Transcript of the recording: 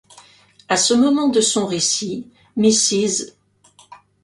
À ce moment de son récit, Mrs.